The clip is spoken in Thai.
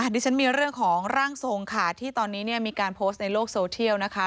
ดิฉันมีเรื่องของร่างทรงค่ะที่ตอนนี้เนี่ยมีการโพสต์ในโลกโซเทียลนะคะ